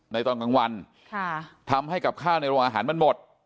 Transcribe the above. ตอนกลางวันทำให้กับข้าวในโรงอาหารมันหมด